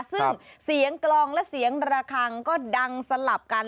ซึ่งเสียงกลองและเสียงระคังก็ดังสลับกัน